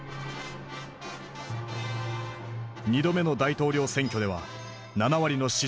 ２度目の大統領選挙では７割の支持を獲得。